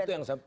itu yang satu